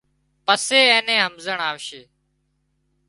پسي اين نِين همزيڻ آوشي